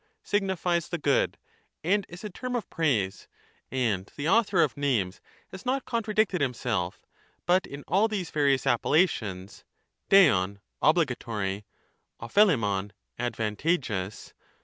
signifies the good, and is a term of praise ; and the author of names has not contradicted himself, but in all these various appellations, &kov (obligatory), dxp^/uiiov (advanta geous)